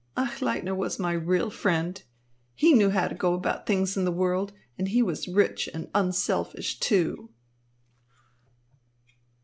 Achleitner was my real friend. He knew how to go about things in the world, and he was rich and unselfish, too."